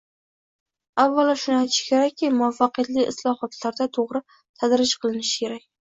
Avvalo shuni aytish kerakki, muvaffaqiyatli islohotlarda to‘g‘ri tadrij qilinishi kerak